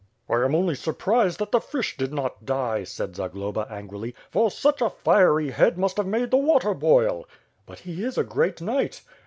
"I am only surprised that the fish did not die," said Zag loba angrily, "for such a fiery head must have made the water boil." "But he is a great knight!"